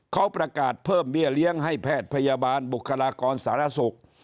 เขาประกาศเพิ่มเบี้ยเลี้ยงให้แพทย์พยาบาลบุคลากรสารสุข